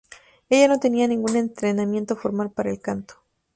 Ella no tenía ningún entrenamiento formal para el canto.